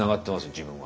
自分は。